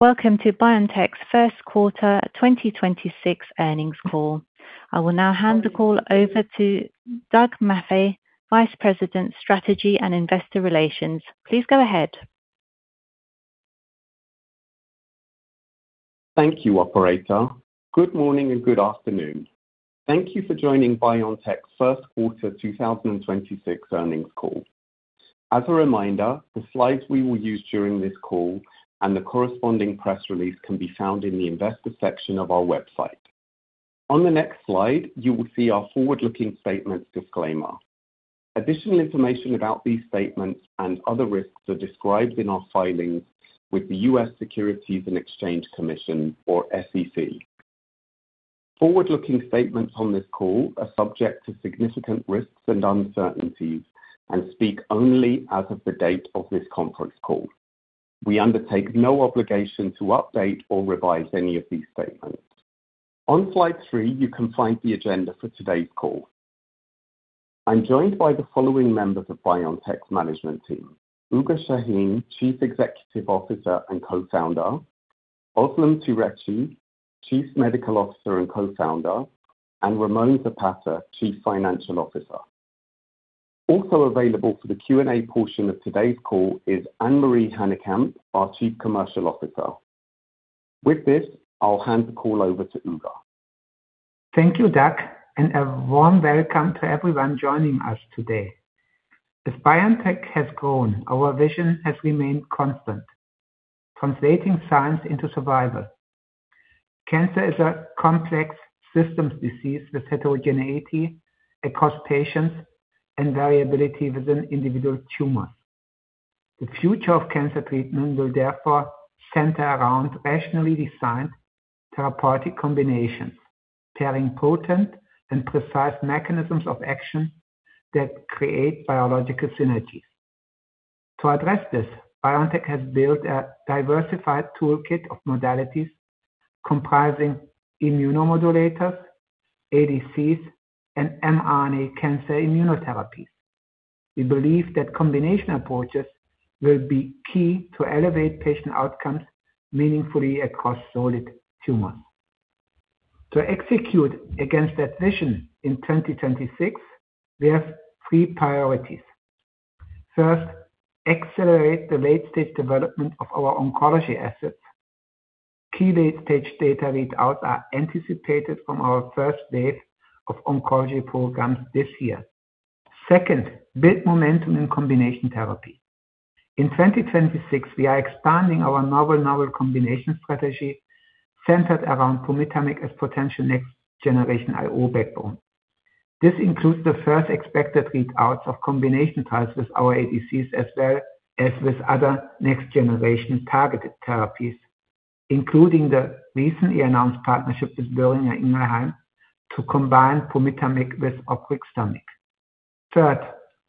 Welcome to BioNTech's First Quarter 2026 Earnings Call. I will now hand the call over to Doug Maffei, Vice President, Strategy and Investor Relations. Please go ahead. Thank you, operator. Good morning and good afternoon. Thank you for joining BioNTech's First Quarter 2026 Earnings Call. As a reminder, the slides we will use during this call and the corresponding press release can be found in the investor section of our website. On the next slide, you will see our forward-looking statements disclaimer. Additional information about these statements and other risks are described in our filings with the U.S. Securities and Exchange Commission or SEC. Forward-looking statements on this call are subject to significant risks and uncertainties and speak only as of the date of this conference call. We undertake no obligation to update or revise any of these statements. On slide three, you can find the agenda for today's call. I'm joined by the following members of BioNTech's management team: Ugur Sahin, Chief Executive Officer and Co-Founder, Özlem Türeci, Chief Medical Officer and Co-Founder, and Ramon Zapata, Chief Financial Officer. Also available for the Q&A portion of today's call is Annemarie Hanekamp, our Chief Commercial Officer. With this, I'll hand the call over to Ugur. Thank you, Doug, and a warm welcome to everyone joining us today. As BioNTech has grown, our vision has remained constant, translating science into survival. Cancer is a complex systems disease with heterogeneity across patients and variability within individual tumors. The future of cancer treatment will therefore center around rationally designed therapeutic combinations, pairing potent and precise mechanisms of action that create biological synergies. To address this, BioNTech has built a diversified toolkit of modalities comprising immunomodulators, ADCs, and mRNA cancer immunotherapy. We believe that combination approaches will be key to elevate patient outcomes meaningfully across solid tumors. To execute against that vision in 2026, we have three priorities. First, accelerate the late-stage development of our oncology assets. Key late-stage data readouts are anticipated from our first wave of oncology programs this year. Second, build momentum in combination therapy. In 2026, we are expanding our novel combination strategy centered around pumitamig as potential next-generation IO-backbone. This includes the first expected readouts of combination trials with our ADCs as well as with other next-generation targeted therapies, including the recently announced partnership with Boehringer Ingelheim to combine pumitamig with obrixtamig. Third,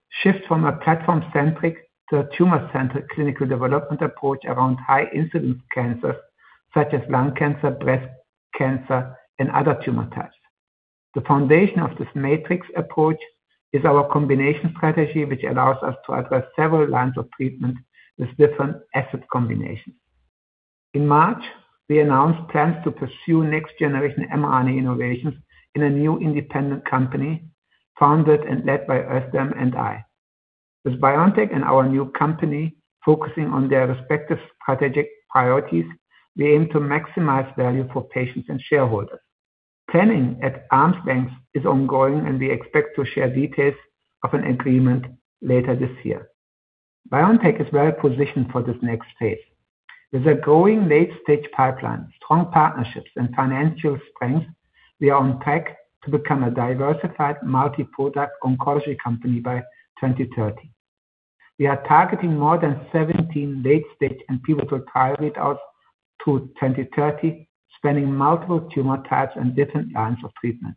shift from a platform-centric to a tumor-centric clinical development approach around high-incidence cancers such as lung cancer, breast cancer, and other tumor types. The foundation of this matrix approach is our combination strategy, which allows us to address several lines of treatment with different asset combinations. In March, we announced plans to pursue next-generation mRNA innovations in a new independent company founded and led by Özlem and I. With BioNTech and our new company focusing on their respective strategic priorities, we aim to maximize value for patients and shareholders. Planning at arm's length is ongoing. We expect to share details of an agreement later this year. BioNTech is well-positioned for this next phase. With a growing late-stage pipeline, strong partnerships, and financial strength, we are on track to become a diversified multi-product oncology company by 2030. We are targeting more than 17 late-stage and pivotal trial readouts through 2030, spanning multiple tumor types and different lines of treatment.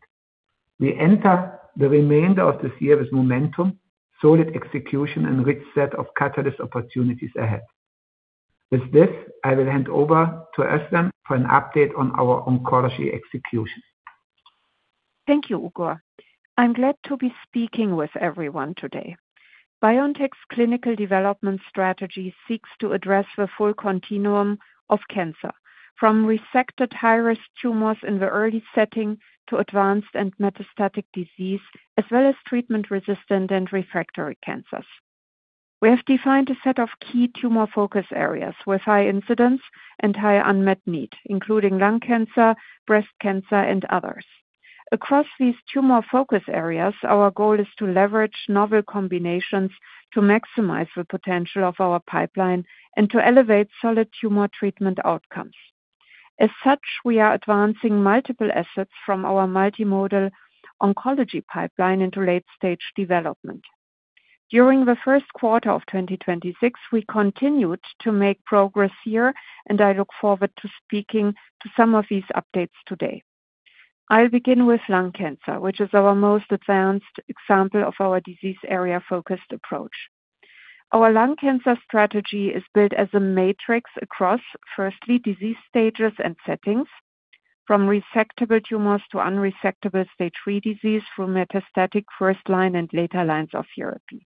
We enter the remainder of this year with momentum, solid execution, and a rich set of catalyst opportunities ahead. With this, I will hand over to Özlem for an update on our oncology execution. Thank you, Ugur. I'm glad to be speaking with everyone today. BioNTech's clinical development strategy seeks to address the full continuum of cancer, from resected high-risk tumors in the early setting to advanced and metastatic disease, as well as treatment-resistant and refractory cancers. We have defined a set of key tumor focus areas with high incidence and high unmet need, including lung cancer, breast cancer, and others. Across these tumor focus areas, our goal is to leverage novel combinations to maximize the potential of our pipeline and to elevate solid tumor treatment outcomes. We are advancing multiple assets from our multimodal oncology pipeline into late-stage development. During the first quarter of 2026, we continued to make progress here, and I look forward to speaking to some of these updates today. I'll begin with lung cancer, which is our most advanced example of our disease area-focused approach. Our lung cancer strategy is built as a matrix across, firstly, disease stages and settings from resectable tumors to unresectable stage III disease through metastatic first line and later lines of therapy.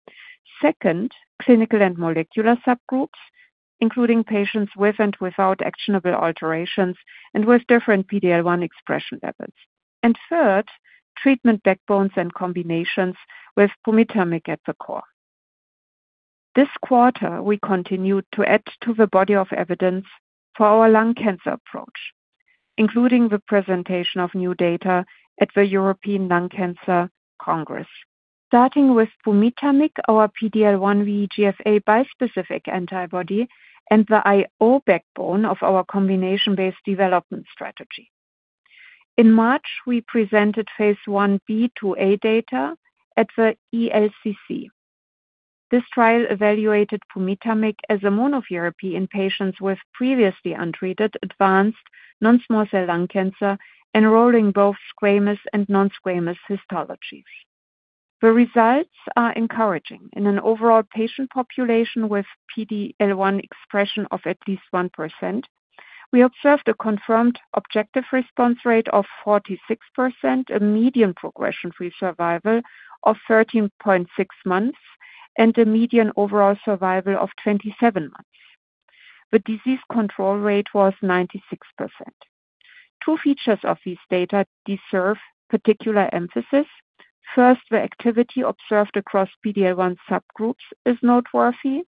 Second, clinical and molecular subgroups, including patients with and without actionable alterations and with different PD-L1 expression levels. Third, treatment backbones and combinations with pumitamig at the core. This quarter, we continued to add to the body of evidence for our lung cancer approach, including the presentation of new data at the European Lung Cancer Congress. Starting with pumitamig, our PD-L1 VEGF-A bispecific antibody and the IO-backbone of our combination-based development strategy. In March, we presented phase I-B/II-A data at the ELCC. This trial evaluated pumitamig as a monotherapy in patients with previously untreated advanced non-small cell lung cancer, enrolling both squamous and non-squamous histologies. The results are encouraging. In an overall patient population with PD-L1 expression of at least 1%, we observed a confirmed objective response rate of 46%, a median progression-free survival of 13.6 months, and a median overall survival of 27 months. The disease control rate was 96%. Two features of these data deserve particular emphasis. First, the activity observed across PD-L1 subgroups is noteworthy,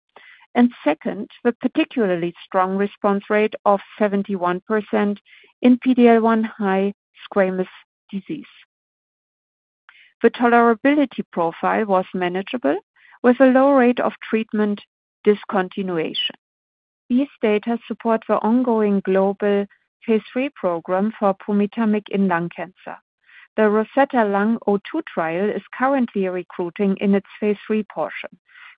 and second, the particularly strong response rate of 71% in PD-L1 high squamous disease. The tolerability profile was manageable, with a low rate of treatment discontinuation. These data support the ongoing global phase III program for pumitamig in lung cancer. The ROSETTA LUNG-02 trial is currently recruiting in its phase III portion,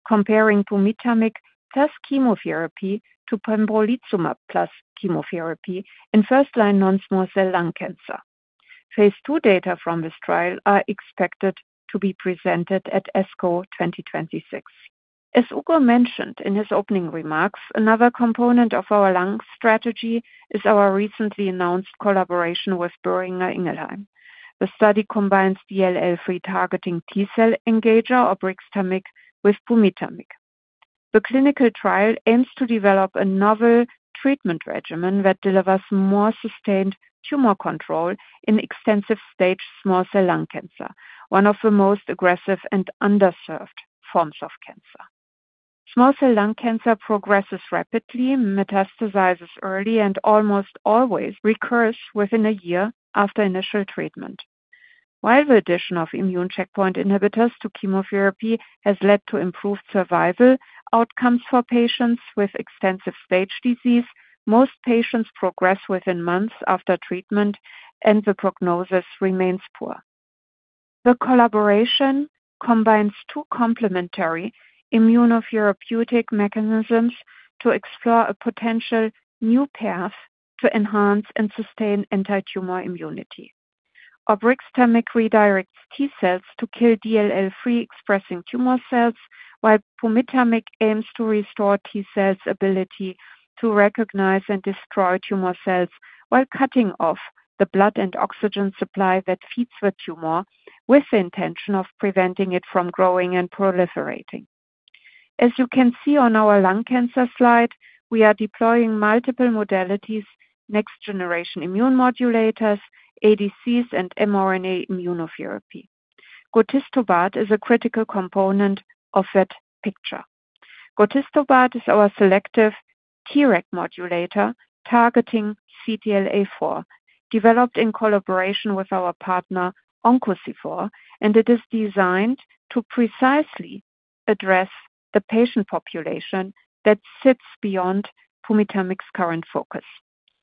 comparing pumitamig plus chemotherapy to pembrolizumab plus chemotherapy in first-line non-small cell lung cancer. Phase II data from this trial are expected to be presented at ASCO 2026. As Ugur mentioned in his opening remarks, another component of our lung strategy is our recently announced collaboration with Boehringer Ingelheim. The study combines DLL3-targeting T-cell engager obrixtamig with pumitamig. The clinical trial aims to develop a novel treatment regimen that delivers more sustained tumor control in extensive-stage small cell lung cancer, one of the most aggressive and underserved forms of cancer. Small cell lung cancer progresses rapidly, metastasizes early, and almost always recurs within a year after initial treatment. While the addition of immune checkpoint inhibitors to chemotherapy has led to improved survival outcomes for patients with extensive stage disease, most patients progress within months after treatment, and the prognosis remains poor. The collaboration combines two complementary immunotherapeutic mechanisms to explore a potential new path to enhance and sustain antitumor immunity. Obrixtamig redirects T-cells to kill DLL3-expressing tumor cells, while pumitamig aims to restore T-cells' ability to recognize and destroy tumor cells while cutting off the blood and oxygen supply that feeds the tumor with the intention of preventing it from growing and proliferating. As you can see on our lung cancer slide, we are deploying multiple modalities, next-generation immune modulators, ADCs, and mRNA immunotherapy. Gotistobart is a critical component of that picture. Gotistobart is our selective Treg modulator targeting CTLA-4, developed in collaboration with our partner, OncoC4, and it is designed to precisely address the patient population that sits beyond pumitamig's current focus.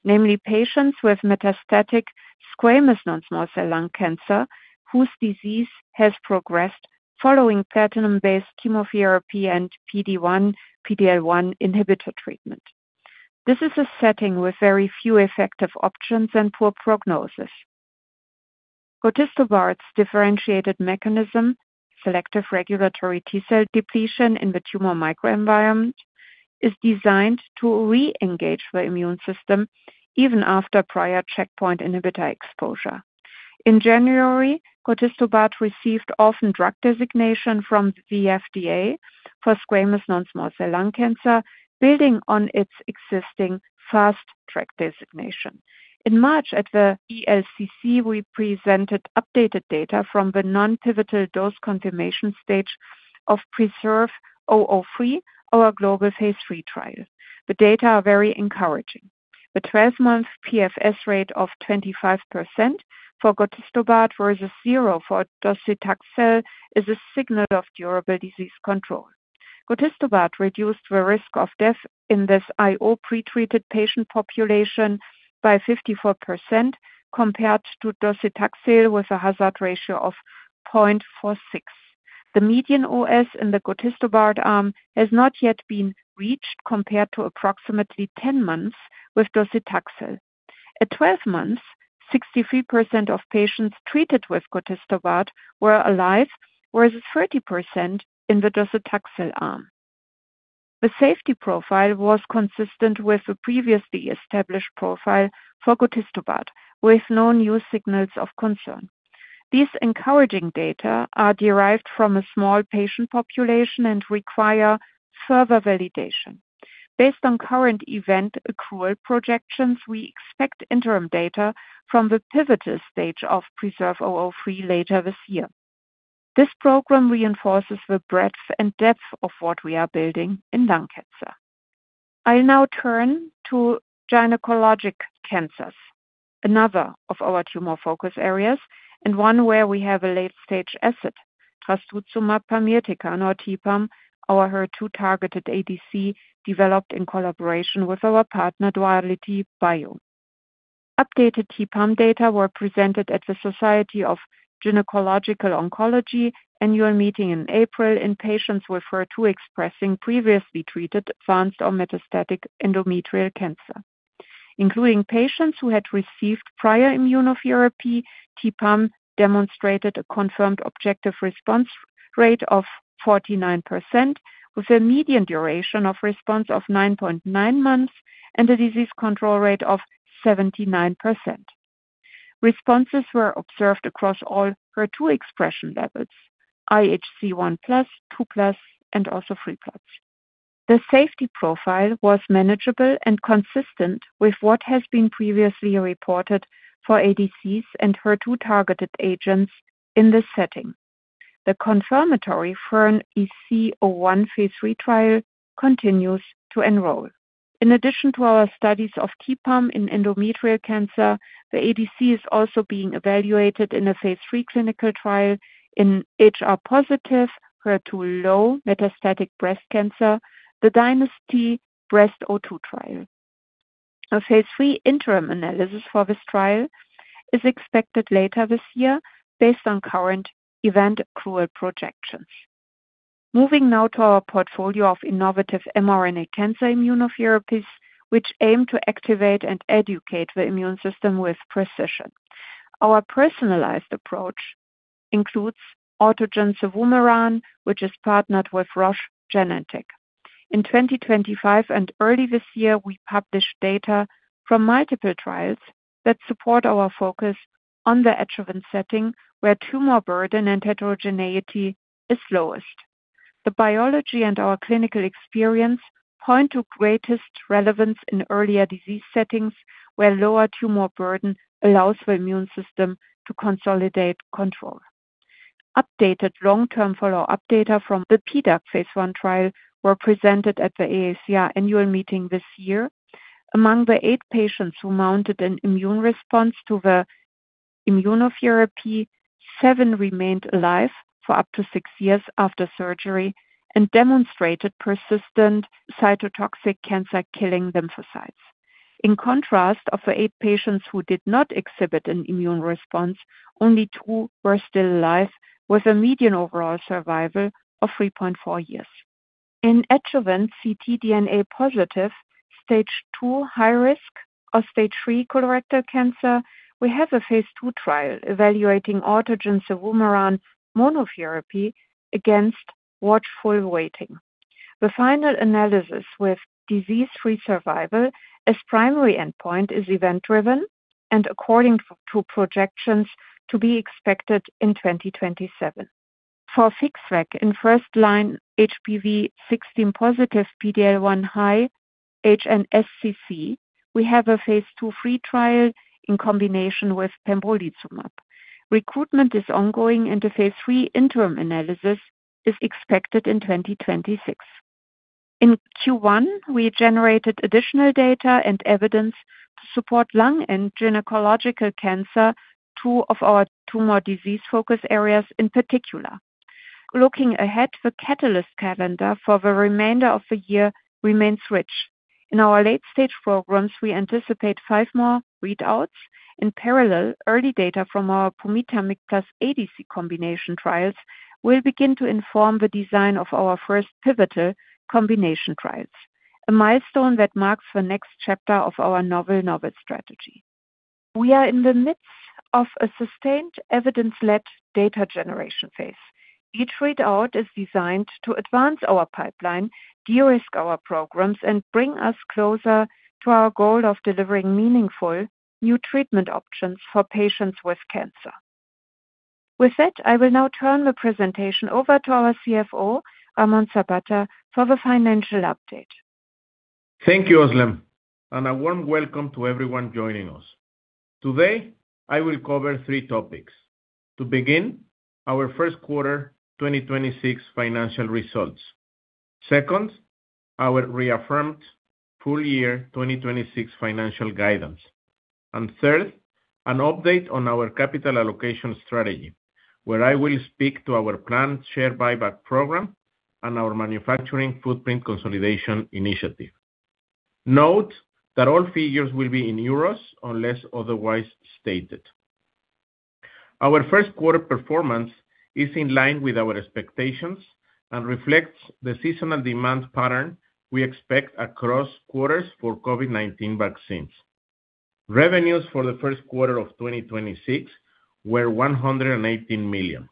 Namely, patients with metastatic squamous non-small cell lung cancer whose disease has progressed following platinum-based chemotherapy and PD-1, PD-L1 inhibitor treatment. This is a setting with very few effective options and poor prognosis. Gotistobart's differentiated mechanism, selective regulatory T-cell depletion in the tumor microenvironment, is designed to re-engage the immune system even after prior checkpoint inhibitor exposure. In January, gotistobart received orphan drug designation from the FDA for squamous non-small cell lung cancer, building on its existing fast-track designation. In March, at the ELCC, we presented updated data from the non-pivotal dose confirmation stage of PRESERVE-003, our global phase III trial. The data are very encouraging. The 12-month PFS rate of 25% for gotistobart versus zero for docetaxel is a signal of durable disease control. Gotistobart reduced the risk of death in this IO-pretreated patient population by 54% compared to docetaxel with a hazard ratio of 0.46. The median OS in the gotistobart arm has not yet been reached compared to approximately 10 months with docetaxel. At 12 months, 63% of patients treated with gotistobart were alive, whereas 30% in the docetaxel arm. The safety profile was consistent with the previously established profile for gotistobart, with no new signals of concern. These encouraging data are derived from a small patient population and require further validation. Based on current event accrual projections, we expect interim data from the pivotal stage of PRESERVE-003 later this year. This program reinforces the breadth and depth of what we are building in lung cancer. I now turn to gynecologic cancers, another of our tumor-focused areas, and one where we have a late-stage asset, trastuzumab pamirtecan, or T-Pam, our HER2-targeted ADC developed in collaboration with our partner, DualityBio. Updated T-Pam data were presented at the Society of Gynecologic Oncology Annual Meeting in April in patients with HER2-expressing previously treated advanced or metastatic endometrial cancer. Including patients who had received prior immunotherapy, T-Pam demonstrated a confirmed objective response rate of 49% with a median duration of response of 9.9 months and a disease control rate of 79%. Responses were observed across all HER2 expression levels, IHC 1+, 2+, and also 3+. The safety profile was manageable and consistent with what has been previously reported for ADCs and HER2-targeted agents in this setting. The confirmatory for an EC-01 phase III trial continues to enroll. In addition to our studies of T-Pam in endometrial cancer, the ADC is also being evaluated in a phase III clinical trial in HR-positive, HER2-low metastatic breast cancer, the DYNASTY Breast-02 trial. A phase III interim analysis for this trial is expected later this year based on current event accrual projections. Moving now to our portfolio of innovative mRNA cancer immunotherapies, which aim to activate and educate the immune system with precision. Our personalized approach includes autogene cevumeran, which is partnered with Roche Genentech. In 2025 and early this year, we published data from multiple trials that support our focus on the adjuvant setting where tumor burden and heterogeneity is lowest. The biology and our clinical experience point to greatest relevance in earlier disease settings, where lower tumor burden allows the immune system to consolidate control. Updated long-term follow-up data from the PDAC phase I trial were presented at the AACR annual meeting this year. Among the eight patients who mounted an immune response to the immunotherapy, seven remained alive for up to six years after surgery and demonstrated persistent cytotoxic cancer-killing lymphocytes. In contrast, of the eight patients who did not exhibit an immune response, only two were still alive, with a median overall survival of 3.4 years. In adjuvant ctDNA positive stage II high risk or stage 3 colorectal cancer, we have a phase II trial evaluating autogene cevumeran monotherapy against watchful waiting. The final analysis with disease-free survival as primary endpoint is event-driven and according to projections to be expected in 2027. For FixVac in first-line HPV16-positive PD-L1 high HNSCC, we have a phase II-III trial in combination with pembrolizumab. Recruitment is ongoing. The phase III interim analysis is expected in 2026. In Q1, we generated additional data and evidence to support lung and gynecological cancer, two of our tumor disease focus areas in particular. Looking ahead, the catalyst calendar for the remainder of the year remains rich. In our late-stage programs, we anticipate five more readouts. In parallel, early data from our pumitamig ADC combination trials will begin to inform the design of our first pivotal combination trials, a milestone that marks the next chapter of our novel strategy. We are in the midst of a sustained evidence-led data generation phase. Each readout is designed to advance our pipeline, de-risk our programs, and bring us closer to our goal of delivering meaningful new treatment options for patients with cancer. With that, I will now turn the presentation over to our CFO, Ramon Zapata, for the financial update. Thank you, Özlem, and a warm welcome to everyone joining us. Today, I will cover three topics. To begin, our first quarter 2026 financial results. Second, our reaffirmed full year 2026 financial guidance. Third, an update on our capital allocation strategy, where I will speak to our planned share buyback program and our manufacturing footprint consolidation initiative. Note that all figures will be in euros unless otherwise stated. Our first quarter performance is in line with our expectations and reflects the seasonal demand pattern we expect across quarters for COVID-19 vaccines. Revenues for the first quarter of 2026 were 118 million.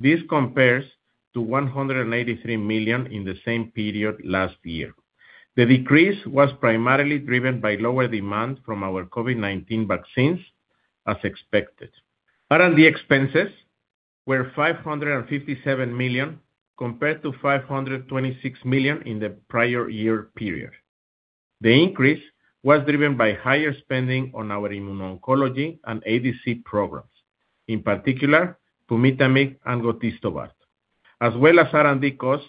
This compares to 183 million in the same period last year. The decrease was primarily driven by lower demand from our COVID-19 vaccines as expected. R&D expenses were 557 million compared to 526 million in the prior year period. The increase was driven by higher spending on our immuno-oncology and ADC programs, in particular, pumitamig and gotistobart, as well as R&D costs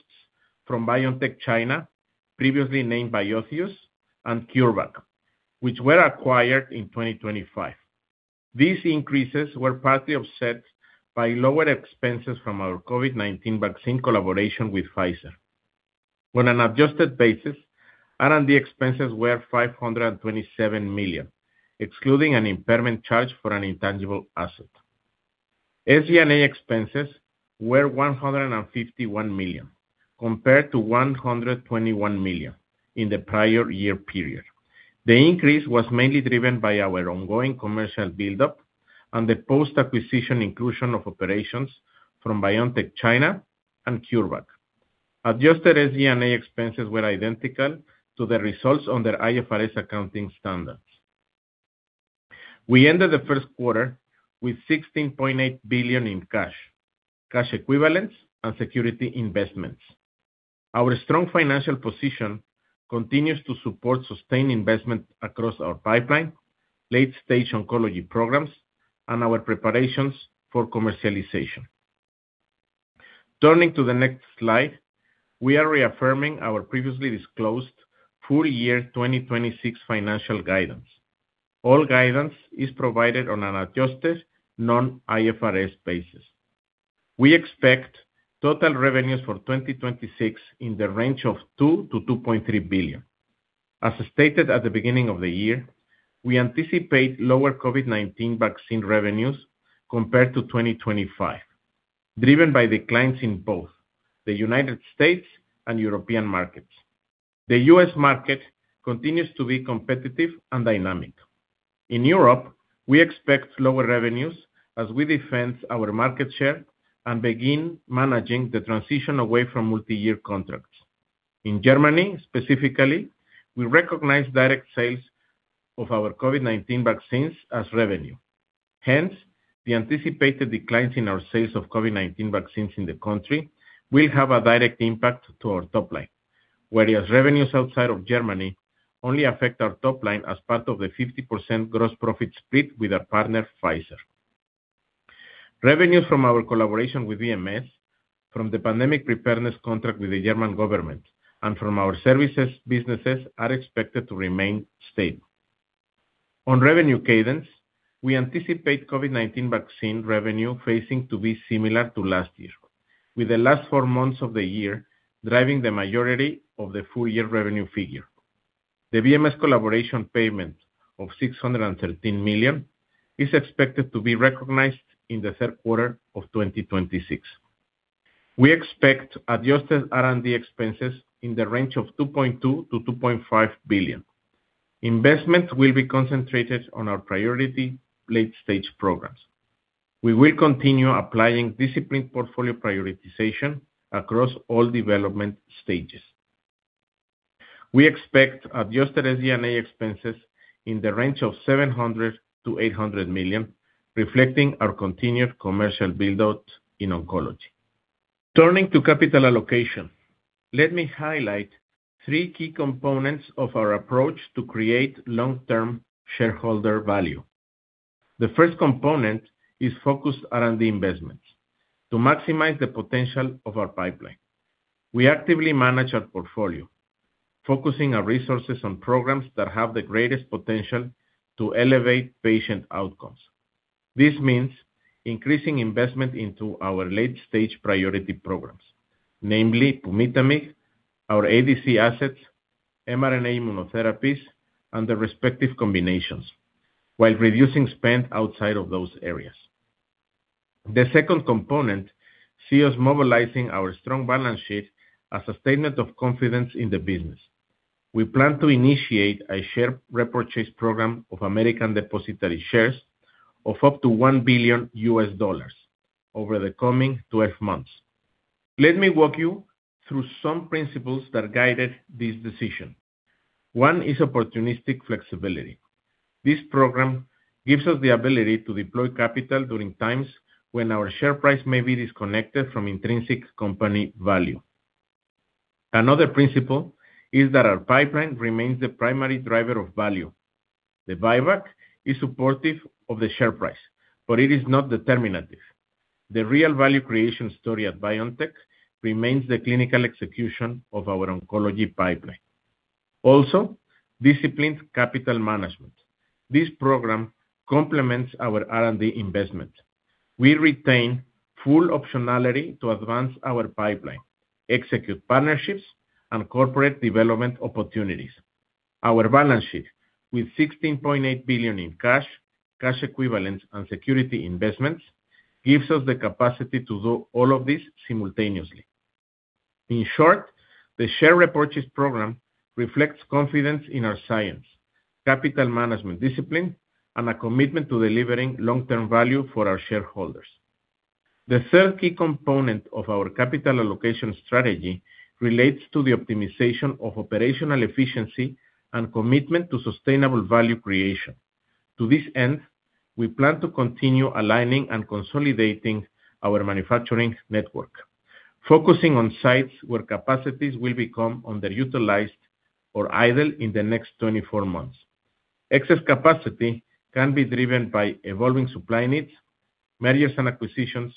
from BioNTech China, previously named Biotheus and CureVac, which were acquired in 2025. These increases were partly offset by lower expenses from our COVID-19 vaccine collaboration with Pfizer. On an adjusted basis, R&D expenses were 527 million, excluding an impairment charge for an intangible asset. SG&A expenses were 151 million compared to 121 million in the prior year period. The increase was mainly driven by our ongoing commercial build-up and the post-acquisition inclusion of operations from BioNTech China and CureVac. Adjusted SG&A expenses were identical to the results under IFRS accounting standards. We ended the first quarter with 16.8 billion in cash equivalents, and security investments. Our strong financial position continues to support sustained investment across our pipeline, late-stage oncology programs, and our preparations for commercialization. Turning to the next slide, we are reaffirming our previously disclosed full year 2026 financial guidance. All guidance is provided on an adjusted non-IFRS basis. We expect total revenues for 2026 in the range of 2 billion-2.3 billion. As stated at the beginning of the year, we anticipate lower COVID-19 vaccine revenues compared to 2025, driven by declines in both the United States and European markets. The U.S. market continues to be competitive and dynamic. In Europe, we expect lower revenues as we defend our market share and begin managing the transition away from multi-year contracts. In Germany, specifically, we recognize direct sales of our COVID-19 vaccines as revenue. The anticipated declines in our sales of COVID-19 vaccines in the country will have a direct impact to our top line. Revenues outside of Germany only affect our top line as part of the 50% gross profit split with our partner, Pfizer. Revenues from our collaboration with BMS, from the pandemic preparedness contract with the German government, and from our services businesses are expected to remain stable. On revenue cadence, we anticipate COVID-19 vaccine revenue phasing to be similar to last year, with the last four months of the year driving the majority of the full year revenue figure. The BMS collaboration payment of 613 million is expected to be recognized in the third quarter of 2026. We expect adjusted R&D expenses in the range of 2.2 billion-2.5 billion. Investment will be concentrated on our priority late-stage programs. We will continue applying disciplined portfolio prioritization across all development stages. We expect adjusted SG&A expenses in the range of 700 million-800 million, reflecting our continued commercial build-out in oncology. Turning to capital allocation, let me highlight three key components of our approach to create long-term shareholder value. The first component is focused R&D investments to maximize the potential of our pipeline. We actively manage our portfolio, focusing our resources on programs that have the greatest potential to elevate patient outcomes. This means increasing investment into our late-stage priority programs, namely pumitamig, our ADC assets, mRNA immunotherapies, and their respective combinations, while reducing spend outside of those areas. The second component see us mobilizing our strong balance sheet as a statement of confidence in the business. We plan to initiate a share repurchase program of American depository shares of up to $1 billion US dollars over the coming 12 months. Let me walk you through some principles that guided this decision. One is opportunistic flexibility. This program gives us the ability to deploy capital during times when our share price may be disconnected from intrinsic company value. Another principle is that our pipeline remains the primary driver of value. The buyback is supportive of the share price, but it is not determinative. The real value creation story at BioNTech remains the clinical execution of our oncology pipeline. Also, disciplined capital management. This program complements our R&D investment. We retain full optionality to advance our pipeline, execute partnerships, and corporate development opportunities. Our balance sheet, with 16.8 billion in cash equivalents, and security investments, gives us the capacity to do all of this simultaneously. In short, the share repurchase program reflects confidence in our science, capital management discipline, and a commitment to delivering long-term value for our shareholders. The third key component of our capital allocation strategy relates to the optimization of operational efficiency and commitment to sustainable value creation. To this end, we plan to continue aligning and consolidating our manufacturing network, focusing on sites where capacities will become underutilized or idle in the next 24 months. Excess capacity can be driven by evolving supply needs, mergers and acquisitions,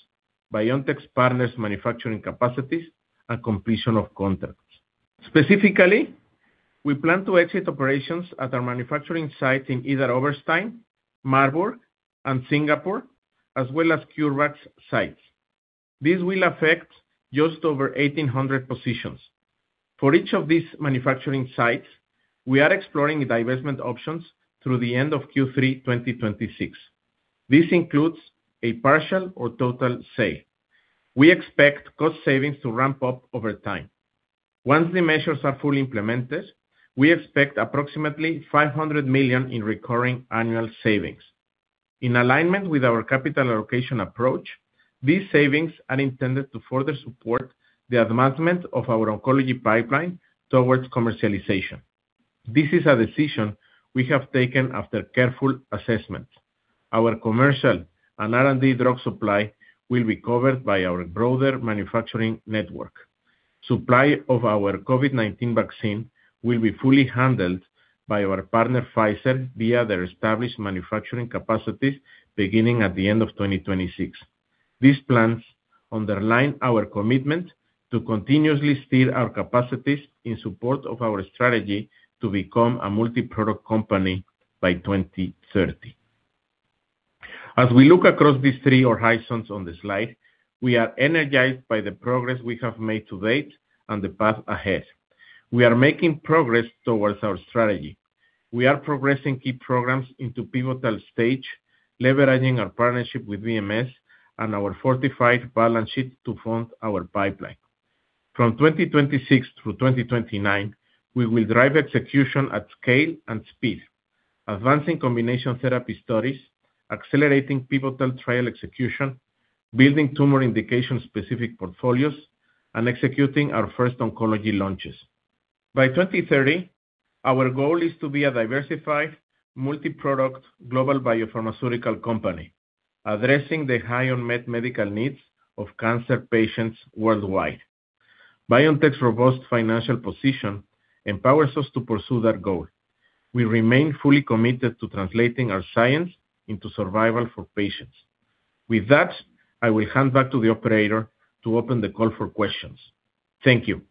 BioNTech's partners manufacturing capacities, and completion of contracts. Specifically, we plan to exit operations at our manufacturing site in either Idar-Oberstein, Marburg, and Singapore, as well as contract sites. This will affect just over 1,800 positions. For each of these manufacturing sites, we are exploring divestment options through the end of Q3 2026. This includes a partial or total sale. We expect cost savings to ramp up over time. Once the measures are fully implemented, we expect approximately 500 million in recurring annual savings. In alignment with our capital allocation approach, these savings are intended to further support the advancement of our oncology pipeline towards commercialization. This is a decision we have taken after careful assessment. Our commercial and R&D drug supply will be covered by our broader manufacturing network. Supply of our COVID-19 vaccine will be fully handled by our partner, Pfizer, via their established manufacturing capacities beginning at the end of 2026. These plans underline our commitment to continuously steer our capacities in support of our strategy to become a multi-product company by 2030. As we look across these three horizons on the slide, we are energized by the progress we have made to date and the path ahead. We are making progress towards our strategy. We are progressing key programs into pivotal stage, leveraging our partnership with BMS and our fortified balance sheet to fund our pipeline. From 2026 through 2029, we will drive execution at scale and speed, advancing combination therapy studies, accelerating pivotal trial execution, building tumor indication-specific portfolios, and executing our first oncology launches. By 2030, our goal is to be a diversified, multi-product, global biopharmaceutical company addressing the high unmet medical needs of cancer patients worldwide. BioNTech's robust financial position empowers us to pursue that goal. We remain fully committed to translating our science into survival for patients. With that, I will hand back to the operator to open the call for questions. Thank you.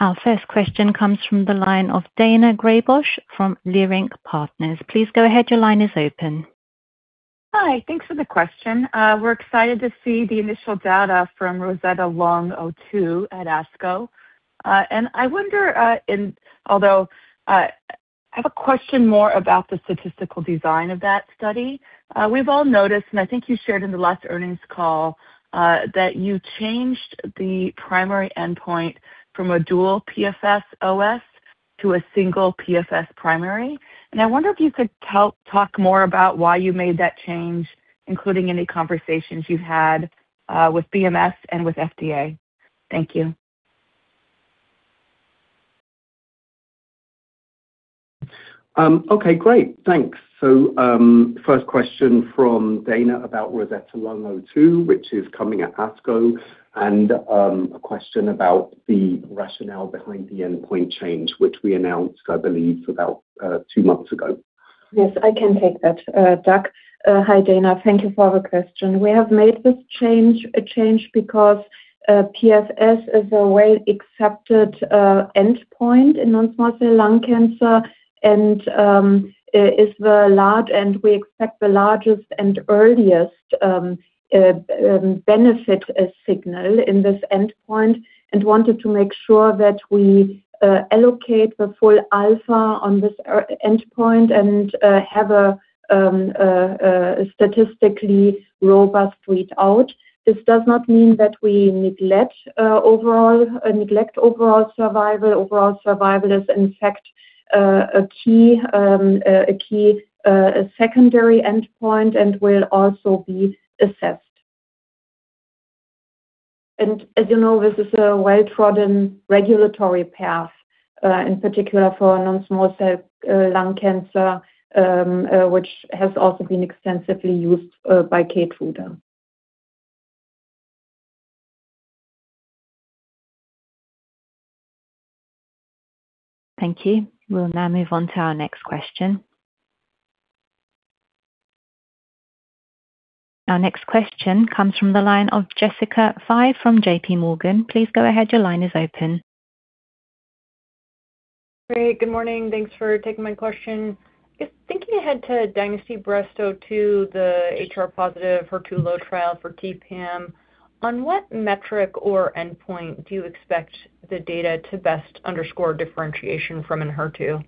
Our first question comes from the line of Daina Graybosch from Leerink Partners. Please go ahead. Your line is open. Hi. Thanks for the question. We're excited to see the initial data from ROSETTA LUNG-02 at ASCO. I wonder, and although, I have a question more about the statistical design of that study. We've all noticed, and I think you shared in the last earnings call, that you changed the primary endpoint from a dual PFS OS to a single PFS primary, and I wonder if you could talk more about why you made that change, including any conversations you've had with BMS and with FDA. Thank you. Okay, great. Thanks. First question from Daina about ROSETTA LUNG-02, which is coming at ASCO, and a question about the rationale behind the endpoint change, which we announced, I believe, about two months ago. Yes, I can take that, Doug. Hi, Daina. Thank you for the question. We have made this change because PFS is a well-accepted endpoint in non-small cell lung cancer and we expect the largest and earliest benefit signal in this endpoint and wanted to make sure that we allocate the full alpha on this endpoint and have a statistically robust readout. This does not mean that we neglect overall survival. Overall survival is, in fact, a key secondary endpoint and will also be assessed. As you know, this is a well-trodden regulatory path in particular for non-small cell lung cancer which has also been extensively used by KEYTRUDA. Thank you. Our next question comes from the line of Jessica Fye from JPMorgan. Please go ahead. Your line is open. Great. Good morning. Thanks for taking my question. Just thinking ahead to DYNASTY Breast-02, the HR-positive HER2-low trial for T-Pam. On what metric or endpoint do you expect the data to best underscore differentiation from ENHERTU?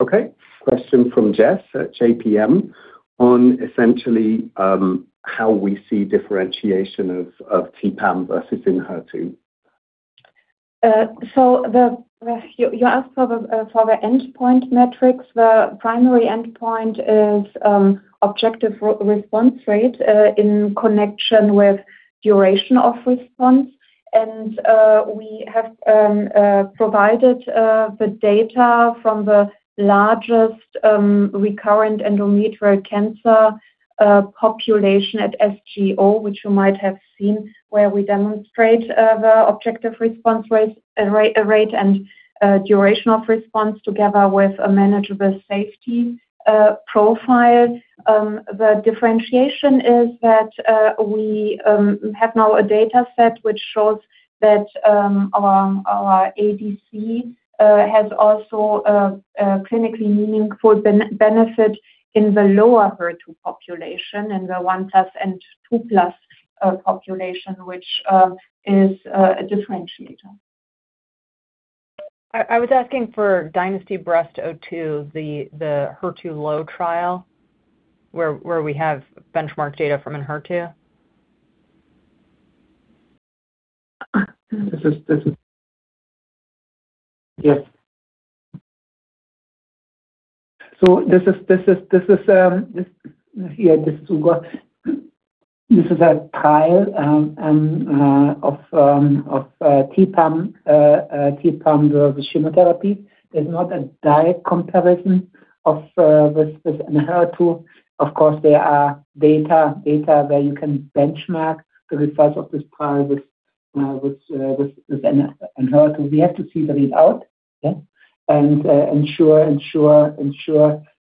Okay. Question from Jess at JPM on essentially, how we see differentiation of T-Pam versus ENHERTU. You asked for the endpoint metrics. The primary endpoint is objective re-response rate in connection with duration of response. We have provided the data from the largest recurrent endometrial cancer population at SGO, which you might have seen, where we demonstrate the objective response rate and duration of response together with a manageable safety profile. The differentiation is that we have now a dataset which shows that our ADC has also clinically meaningful benefit in the lower HER2 population and the one plus and two plus population, which is a differentiator. I was asking for DYNASTY Breast-02, the HER2-low trial where we have benchmark data from ENHERTU. This is yes. This is Ugur. This is a trial of T-Pam with chemotherapy. There's not a direct comparison of with ENHERTU. Of course, there are data where you can benchmark the results of this trial with ENHERTU. We have to see the readout. Ensure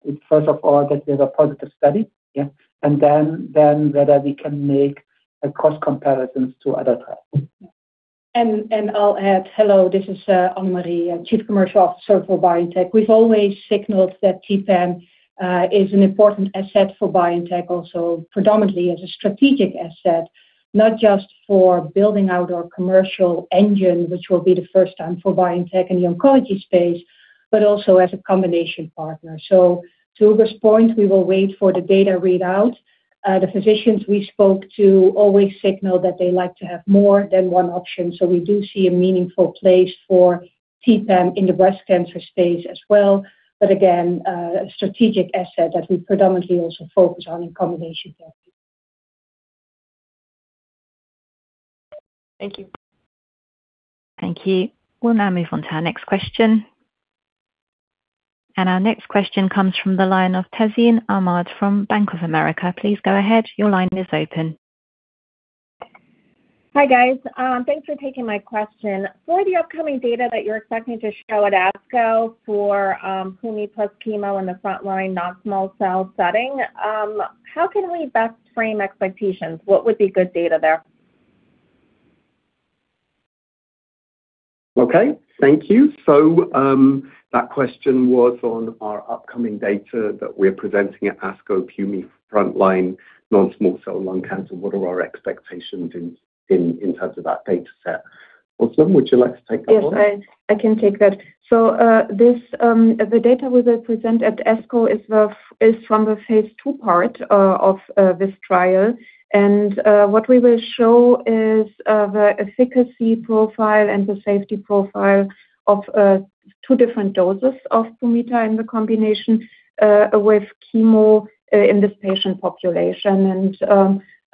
it's first of all that there's a positive study. Then whether we can make a cross-comparisons to other trials. I'll add. Hello, this is Annemarie, Chief Commercial Officer for BioNTech. We've always signaled that T-Pam is an important asset for BioNTech also predominantly as a strategic asset, not just for building out our commercial engine, which will be the first time for BioNTech in the oncology space, but also as a combination partner. To Ugur's point, we will wait for the data readout. The physicians we spoke to always signal that they like to have more than one option. We do see a meaningful place for T-Pam in the breast cancer space as well. Again, a strategic asset that we predominantly also focus on in combination therapy. Thank you. Thank you. We'll now move on to our next question. Our next question comes from the line of Tazeen Ahmad from Bank of America. Please go ahead. Your line is open. Hi, guys. Thanks for taking my question. For the upcoming data that you're expecting to show at ASCO for pumitamig plus chemo in the frontline non-small cell setting, how can we best frame expectations? What would be good data there? Okay. Thank you. That question was on our upcoming data that we're presenting at ASCO, pumitamig frontline non-small cell lung cancer. What are our expectations in terms of that dataset? Özlem, would you like to take that one? Yes, I can take that. The data we will present at ASCO is from the phase II part of this trial. What we will show is the efficacy profile and the safety profile of two different doses of pumitamig in the combination with chemo in this patient population.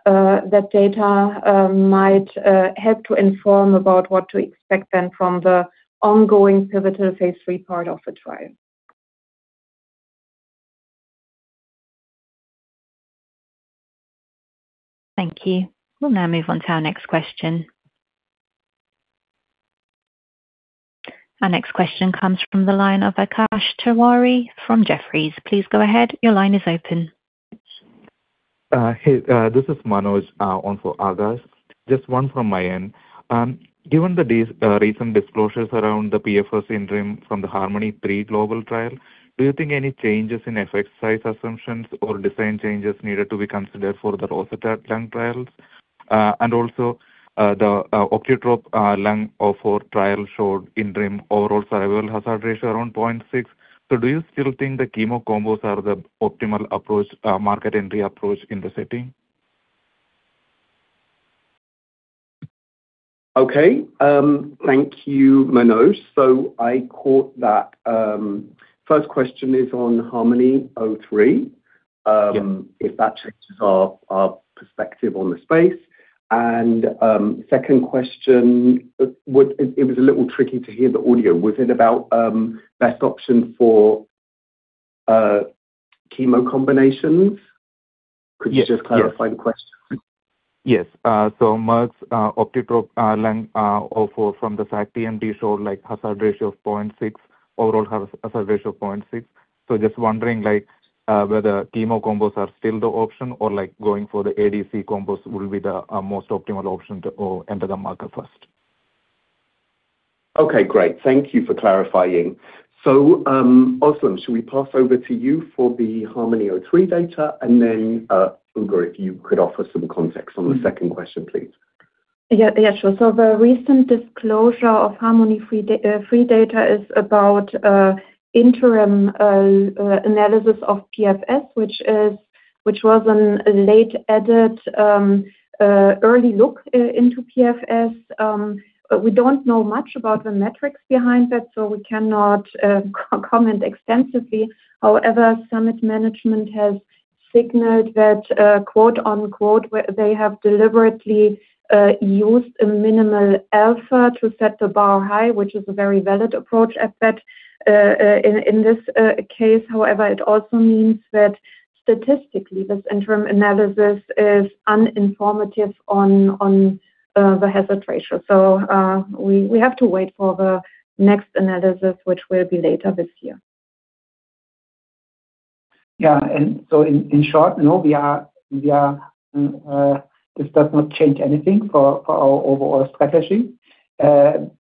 That data might help to inform about what to expect then from the ongoing pivotal phase III part of the trial. Thank you. We'll now move on to our next question. Our next question comes from the line of Akash Tewari from Jefferies. Please go ahead. Your line is open. Hey, this is Manoj on for Akash. Just one from my end. Given the recent disclosures around the PFS interim from the HARMONi-3 global trial, do you think any changes in effect size assumptions or design changes needed to be considered for the ROSETTA Lung trials? Also, the OptiTROP-Lung04 trial showed interim overall survival hazard ratio around 0.6. Do you still think the chemo combos are the optimal approach, market entry approach in the setting? Okay. Thank you, Manoj. I caught that. First question is on HARMONi-3. Yeah. If that changes our perspective on the space. Second question, it was a little tricky to hear the audio. Was it about best option for chemo combinations? Could you just clarify the question? Yes. Merck, OptiTROP-Lung04 from the fact TMT showed like hazard ratio of 0.6, overall hazard ratio of 0.6. Just wondering like whether chemo combos are still the option or like going for the ADC combos will be the most optimal option to enter the market first. Okay, great. Thank you for clarifying. Özlem, should we pass over to you for the HARMONi-3 data? Ugur, if you could offer some context on the second question, please. Yeah. Yeah, sure. The recent disclosure of HARMONi-3 data is about interim analysis of PFS, which was a late edit, early look into PFS. But we don't know much about the metrics behind it, so we cannot co-comment extensively. However, summit management has signaled that, quote-unquote, where they have deliberately used a minimal alpha to set the bar high, which is a very valid approach at that. In this case, however, it also means that statistically this interim analysis is uninformative on the hazard ratio. We have to wait for the next analysis, which will be later this year. Yeah. In, in short, no, we are, this does not change anything for our overall strategy.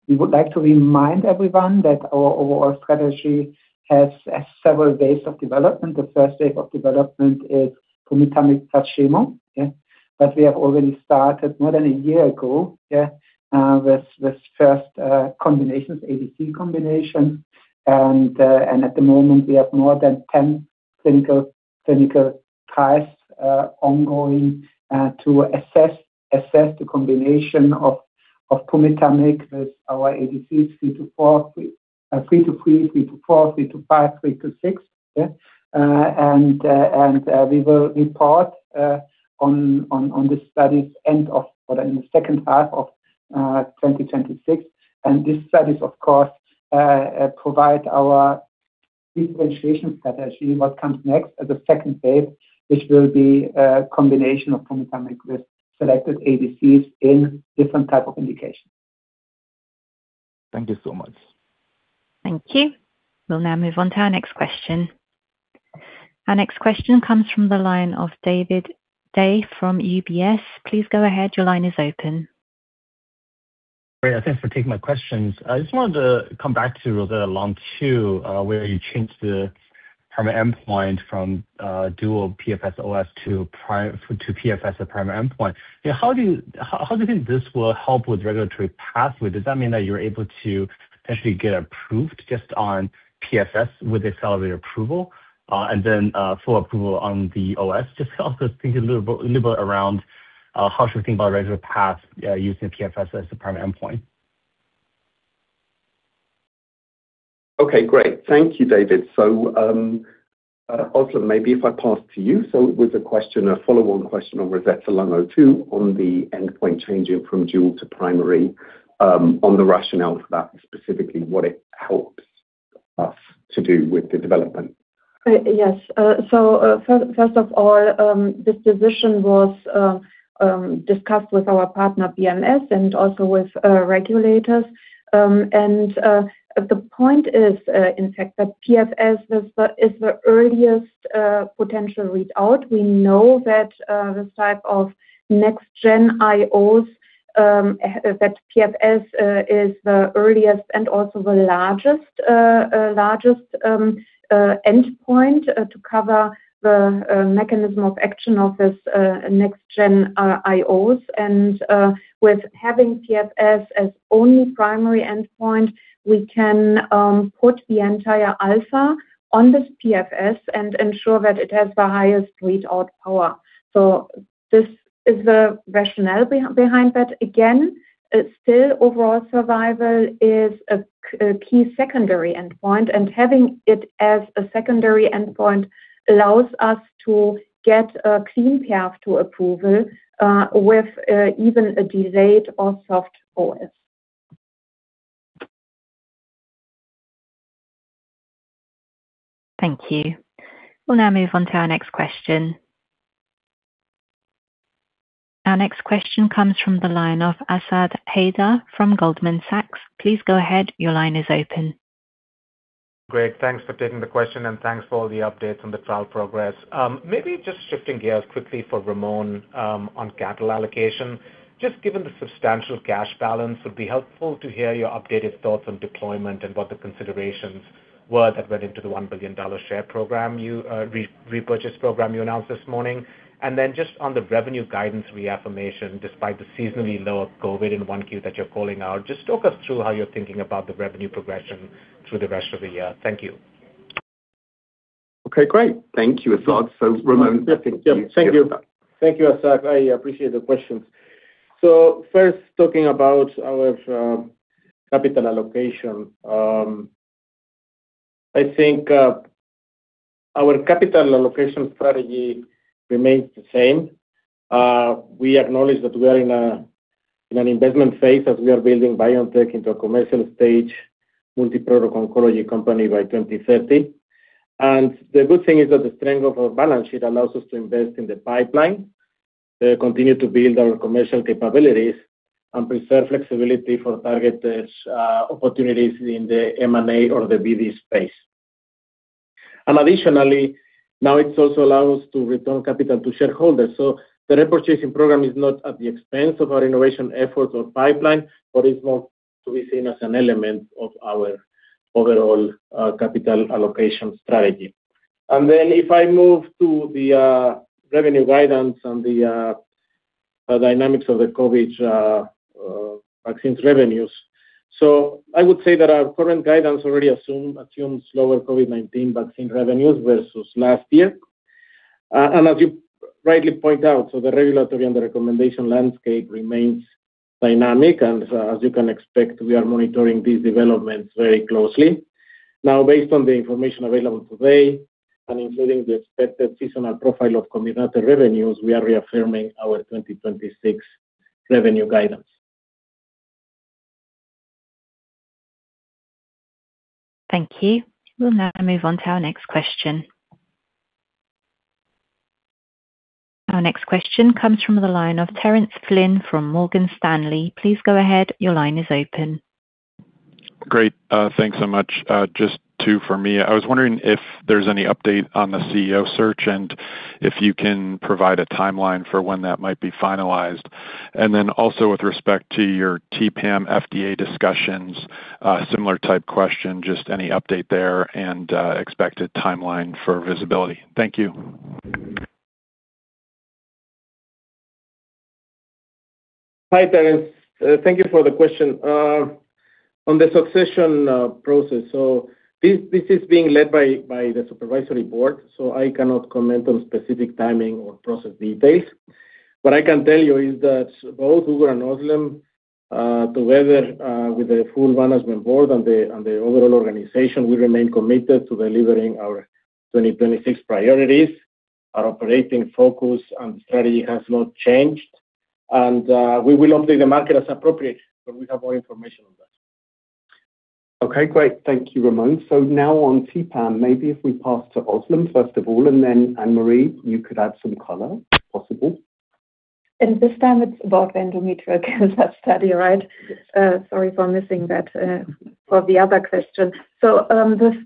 We would like to remind everyone that our overall strategy has several ways of development. The first way of development is pumitamig plus chemo. We have already started more than a year ago with first combinations, ADC combination. At the moment we have more than 10 clinical trials ongoing to assess the combination of pumitamig with our ADCs BNT324, BNT323, BNT324, BNT325, BNT326. We will report on the studies end of or in the second half of 2026. These studies, of course, provide our differentiation strategy, what comes next as a second phase, which will be a combination of pumitamig with selected ADCs in different type of indications. Thank you so much. Thank you. We will now move on to our next question. Our next question comes from the line of David Dai from UBS. Please go ahead. Your line is open. Great. Thanks for taking my questions. I just wanted to come back to ROSETTA LUNG-02, where you changed the primary endpoint from dual PFS OS to PFS as primary endpoint. How do you think this will help with regulatory pathway? Does that mean that you're able to potentially get approved just on PFS with accelerated approval, and then full approval on the OS? Just also think a little bit around how should we think about regulatory path using PFS as the primary endpoint. Okay, great. Thank you, David. Also maybe if I pass to you with the question, a follow-on question on ROSETTA LUNG-02 on the endpoint changing from dual to primary, on the rationale for that, specifically what it helps us to do with the development. Yes. First of all, this decision was discussed with our partner BMS and also with regulators. The point is, in fact, that PFS is the earliest potential readout. We know that this type of next-gen IOs, that PFS is the earliest and also the largest endpoint to cover the mechanism of action of this next-gen IOs. With having PFS as only primary endpoint, we can put the entire alpha on this PFS and ensure that it has the highest readout power. This is the rationale behind that. Still overall survival is a key secondary endpoint, and having it as a secondary endpoint allows us to get a clean path to approval with even a delayed or soft OS. Thank you. We'll now move on to our next question. Our next question comes from the line of Asad Haider from Goldman Sachs. Please go ahead. Your line is open. Great. Thanks for taking the question, and thanks for all the updates on the trial progress. Maybe just shifting gears quickly for Ramon, on capital allocation. Just given the substantial cash balance, it would be helpful to hear your updated thoughts on deployment and what the considerations were that went into the $1 billion share program you repurchase program you announced this morning. Just on the revenue guidance reaffirmation, despite the seasonally lower COVID in 1Q that you're calling out, just talk us through how you're thinking about the revenue progression through the rest of the year. Thank you. Okay, great. Thank you, Asad. Yeah. Thank you, Asad. I appreciate the questions. First, talking about our capital allocation. I think our capital allocation strategy remains the same. We acknowledge that we are in a In an investment phase as we are building BioNTech into a commercial stage multiprotocol oncology company by 2030. The good thing is that the strength of our balance sheet allows us to invest in the pipeline, continue to build our commercial capabilities and preserve flexibility for targeted opportunities in the M&A or the BD space. Additionally, now it also allow us to return capital to shareholders. The report sharing program is not at the expense of our innovation efforts or pipeline, but is more to be seen as an element of our overall capital allocation strategy. If I move to the revenue guidance and the dynamics of the COVID vaccines revenues. I would say that our current guidance already assumes lower COVID-19 vaccine revenues versus last year. As you rightly point out, so the regulatory and the recommendation landscape remains dynamic. As you can expect, we are monitoring these developments very closely. Now, based on the information available today and including the expected seasonal profile of COMIRNATY revenues, we are reaffirming our 2026 revenue guidance. Thank you. We'll now move on to our next question. Our next question comes from the line of Terence Flynn from Morgan Stanley. Please go ahead. Great. Thanks so much. Just two for me. I was wondering if there's any update on the CEO search and if you can provide a timeline for when that might be finalized. With respect to your T-Pam FDA discussions, similar type question, just any update there and expected timeline for visibility. Thank you. Hi, Terence. Thank you for the question on the succession process. This is being led by the supervisory board, so I cannot comment on specific timing or process details. What I can tell you is that both Ugur and Özlem, together with the full Management Board and the overall organization, we remain committed to delivering our 2026 priorities. Our operating focus and strategy has not changed. We will update the market as appropriate when we have more information on that. Okay, great. Thank you, Ramon. Now on T-Pam, maybe if we pass to Özlem, first of all, and then, Annemarie, you could add some color, if possible. This time it's about the endometrial cancer study, right? Yes. Sorry for missing that for the other question. This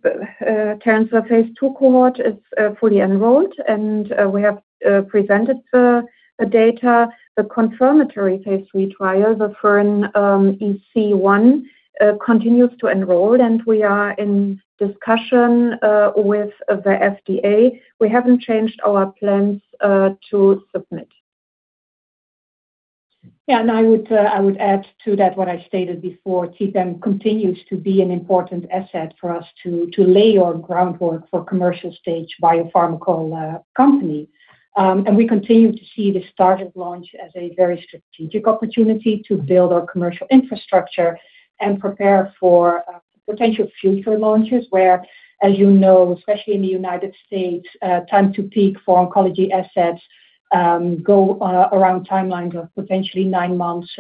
transfer phase II cohort is fully enrolled, and we have presented the data. The confirmatory phase III trial, the Fern-EC-01, continues to enroll, and we are in discussion with the FDA. We haven't changed our plans to submit. Yeah. I would add to that what I stated before. T-Pam continues to be an important asset for us to lay our groundwork for commercial stage biopharmaceutical company. We continue to see the start of launch as a very strategic opportunity to build our commercial infrastructure and prepare for potential future launches where, as you know, especially in the United States, time to peak for oncology assets go around timelines of potentially nine months.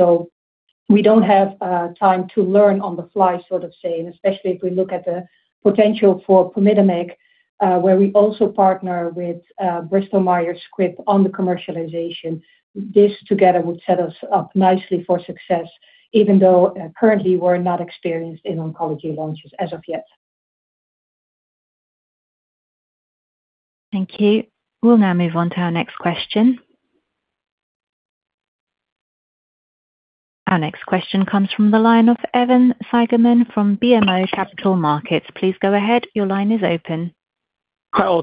We don't have time to learn on the fly sort of saying. Especially if we look at the potential for pumitamig, where we also partner with Bristol Myers Squibb on the commercialization. This together would set us up nicely for success, even though currently we're not experienced in oncology launches as of yet. Thank you. We will now move on to our next question. Our next question comes from the line of Evan Seigerman from BMO Capital Markets. Please go ahead. Your line is open.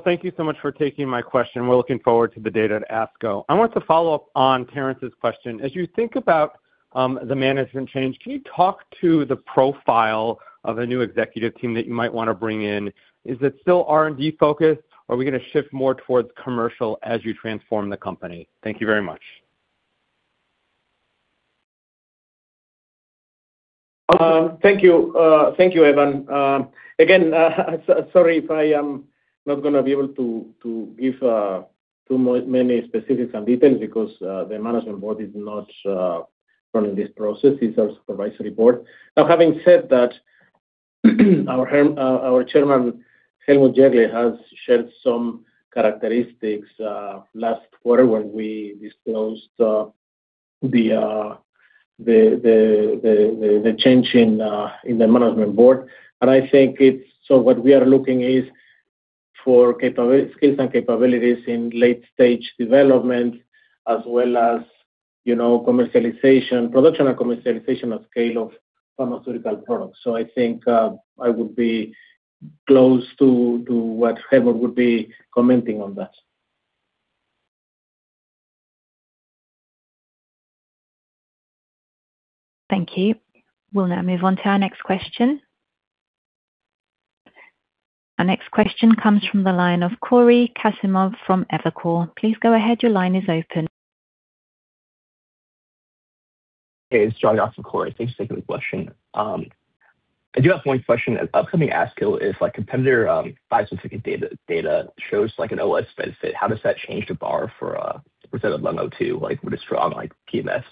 Thank you so much for taking my question. We're looking forward to the data at ASCO. I want to follow up on Terence's question. As you think about the management change, can you talk to the profile of a new executive team that you might want to bring in? Is it still R&D focused, or are we going to shift more towards commercial as you transform the company? Thank you very much. Thank you. Thank you, Evan. Again, sorry if I am not gonna be able to give many specifics and details because the Management Board is not running this process. It's our supervisory board. Having said that, our Chairman, Helmut Jeggle, has shared some characteristics last quarter when we disclosed the change in the Management Board. I think it's So what we are looking is for skills and capabilities in late stage development as well as, you know, commercialization, production and commercialization of scale of pharmaceutical products. I think I would be close to what Helmut would be commenting on that. Thank you. We'll now move on to our next question. Our next question comes from the line of Cory Kasimov from Evercore. Please go ahead. Your line is open. Hey, it's Cory. Thanks for taking the question. I do have one question. Upcoming ASCO is like competitor, bispecific data shows like an OS benefit. How does that change the bar for ROSETTA LUNG-02? Like would a strong like PFS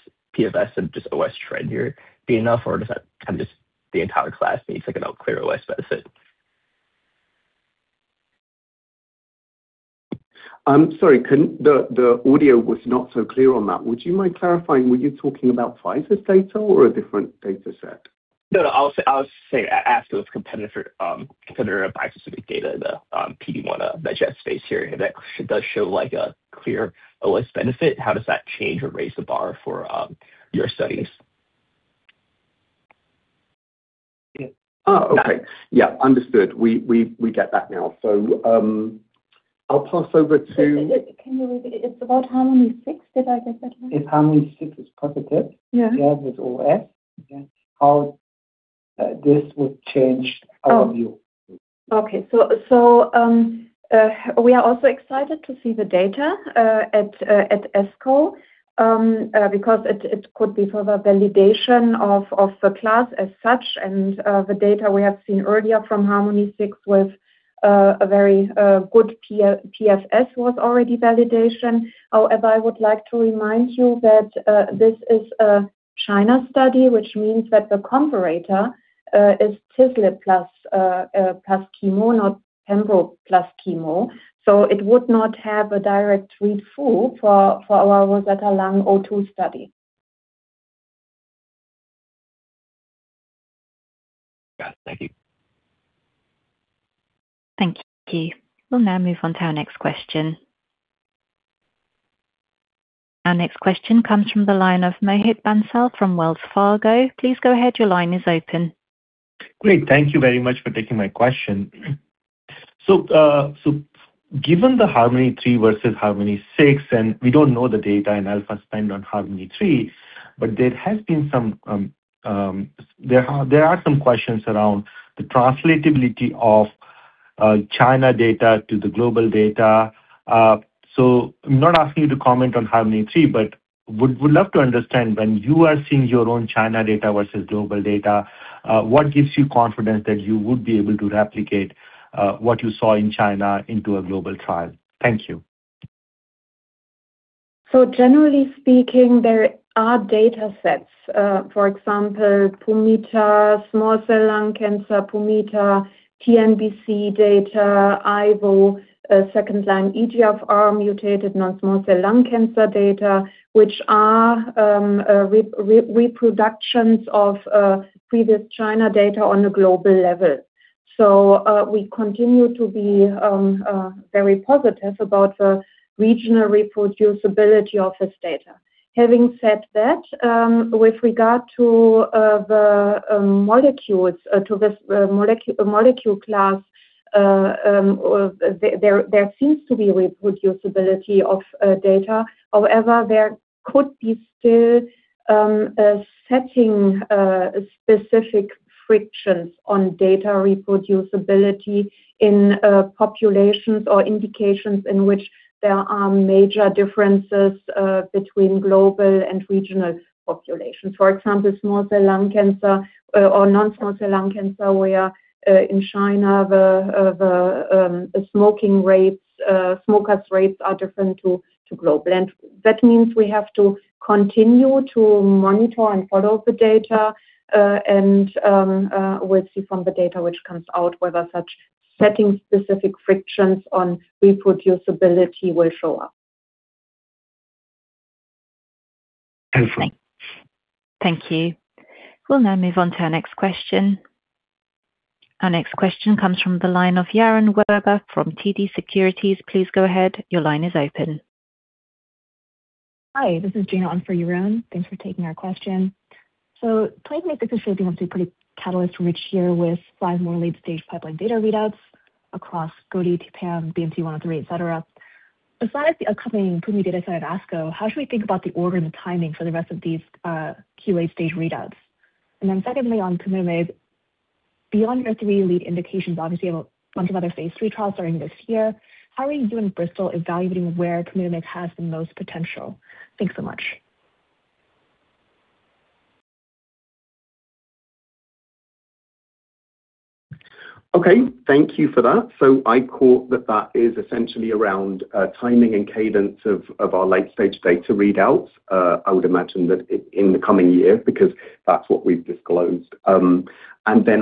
and just OS trend here be enough, or does that kind of just the entire class needs like a clear OS benefit? I'm sorry, The audio was not so clear on that. Would you mind clarifying? Were you talking about Pfizer's data or a different dataset? No, no, I'll say, I'll say ASCO's competitor bispecific data, the PD-1 budget space here. That does show like a clear OS benefit. How does that change or raise the bar for your studies? Oh, okay. Yeah, understood. We get that now. I'll pass over to. Can you repeat? It's about HARMONi-6. Did I get that right? It's HARMONi-6 was positive. Yeah. Yeah. With OS. Okay. How this would change our view. Oh, okay. We are also excited to see the data at ASCO because it could be for the validation of the class as such and the data we have seen earlier from HARMONi-6 with a very good PFS was already validation. However, I would like to remind you that this is a China study, which means that the comparator is tislel plus chemo, not pembro plus chemo. It would not have a direct read-through for our ROSETTA LUNG-02 study. Got it. Thank you. Thank you. We'll now move on to our next question. Our next question comes from the line of Mohit Bansal from Wells Fargo. Great. Thank you very much for taking my question. Given the HARMONi-3 versus HARMONi-6, and we don't know the data in Idar-Oberstein on HARMONi-3, but there has been some questions around the translatability of China data to the global data. I'm not asking you to comment on HARMONi-3, but would love to understand when you are seeing your own China data versus global data, what gives you confidence that you would be able to replicate what you saw in China into a global trial? Thank you. Generally speaking, there are datasets, for example, pumitamig, small cell lung cancer, pumitamig, TNBC data, IVO, second-line EGFR mutated non-small cell lung cancer data, which are reproductions of previous China data on a global level. We continue to be very positive about the regional reproducibility of this data. Having said that, with regard to the molecules, to this molecule class, there seems to be reproducibility of data. However, there could be still setting specific frictions on data reproducibility in populations or indications in which there are major differences between global and regional populations. For example, small cell lung cancer or non-small cell lung cancer, where in China the smokers rates are different to global. That means we have to continue to monitor and follow the data, and we'll see from the data which comes out whether such setting specific frictions on reproducibility will show up. Okay. Thank you. We'll now move on to our next question. Our next question comes from the line of Yaron Werber from TD Securities. Please go ahead. Your line is open. Hi, this is Gina in for Yaron. Thanks for taking our question. Please make this decision to pretty catalyst-rich year with five more late-stage pipeline data readouts across gotis, T-Pam, BNT113, et cetera. Besides the upcoming pumitamig dataset at ASCO, how should we think about the order and the timing for the rest of these key late-stage readouts? Secondly, on pumitamig, beyond your three lead indications, obviously you have a bunch of other phase III trials starting this year. How are you and Bristol evaluating where pumitamig has the most potential? Thanks so much. Okay, thank you for that. I caught that that is essentially around timing and cadence of our late-stage data readouts. I would imagine that in the coming year, because that's what we've disclosed.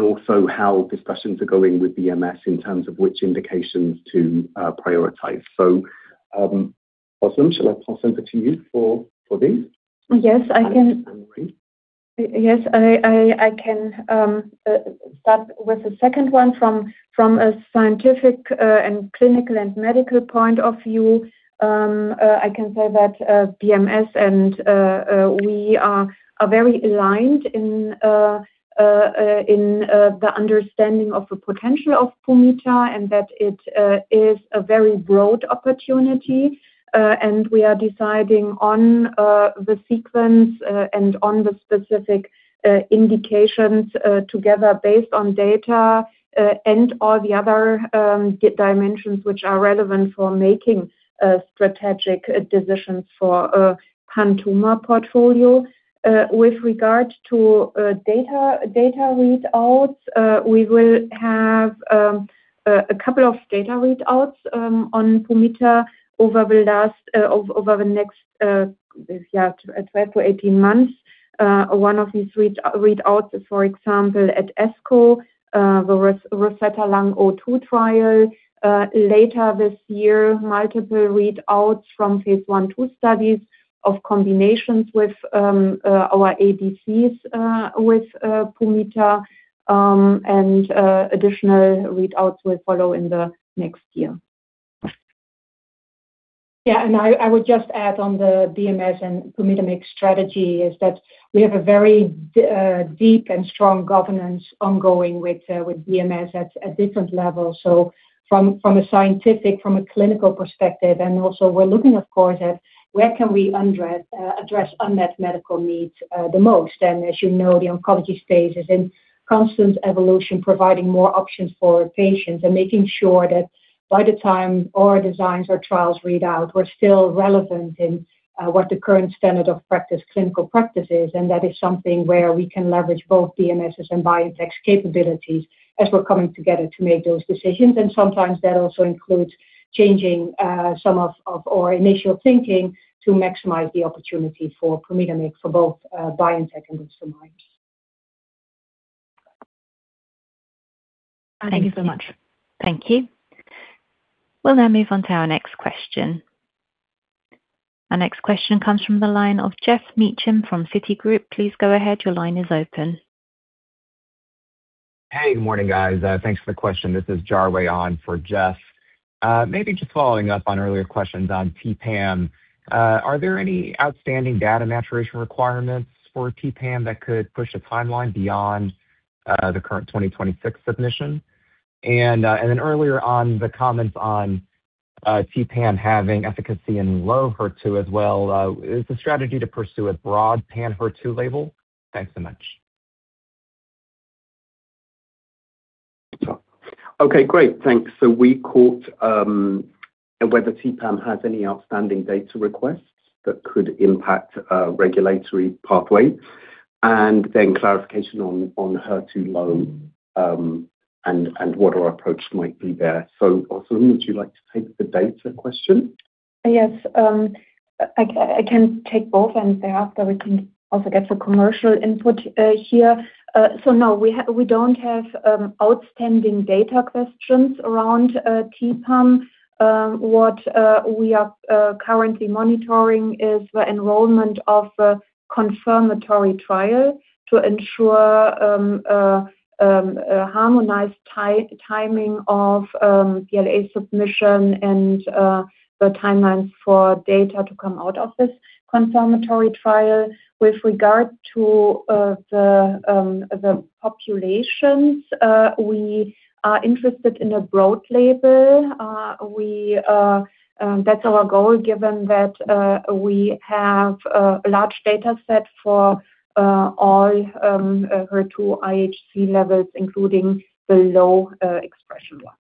Also how discussions are going with BMS in terms of which indications to prioritize. Özlem, shall I pass over to you for these? And then, Annemarie. Yes, I can start with the second one. From a scientific and clinical and medical point of view, I can say that BMS and we are very aligned in the understanding of the potential of pumitamig, and that it is a very broad opportunity. And we are deciding on the sequence and on the specific indications together based on data and all the other dimensions which are relevant for making strategic decisions for a pumitamig portfolio. With regard to data readouts, we will have a couple of data readouts on pumitamig over the last over the next, yeah, 12-18 months. One of these readouts, for example, at ASCO, the ROSETTA Lung-02 trial. Later this year, multiple readouts from phase I, II studies of combinations with our ADCs, with pumitamig, and additional readouts will follow in the next year. Yeah, I would just add on the BMS and pumtamig strategy is that we have a very deep and strong governance ongoing with BMS at different levels. From a scientific, from a clinical perspective, and also we're looking of course at where can we address unmet medical needs the most. As you know, the oncology space is in constant evolution, providing more options for patients and making sure that by the time our designs or trials read out, we're still relevant in what the current standard of practice clinical practice is. That is something where we can leverage both BMS' and BioNTech's capabilities as we're coming together to make those decisions. Sometimes that also includes changing some of our initial thinking to maximize the opportunity for pumitamig for both BioNTech and Bristol Myers. Thank you so much. Thank you. We'll now move on to our next question. Our next question comes from the line of Geoff Meacham from Citigroup. Please go ahead. Your line is open. Hey, good morning, guys. Thanks for the question. This is Jarwei on for Geoff. Maybe just following up on earlier questions on T-Pam. Are there any outstanding data maturation requirements for T-Pam that could push the timeline beyond the current 2026 submission? Then earlier on, the comments on T-Pam having efficacy in low HER2 as well, is the strategy to pursue a broad pan HER2 label? Thanks so much. Okay, great. Thanks. We caught whether T-Pam has any outstanding data requests that could impact regulatory pathway, and then clarification on HER2 low, and what our approach might be there. Özlem, would you like to take the data question? Yes. I can take both, and thereafter, we can also get the commercial input here. No, we don't have outstanding data questions around T-Pam. What we are currently monitoring is the enrollment of a confirmatory trial to ensure a harmonized timing of the BLA submission and the timelines for data to come out of this confirmatory trial. With regard to the populations, we are interested in a broad label. We, that's our goal, given that we have a large data set for all HER2 IHC levels, including the low expression ones.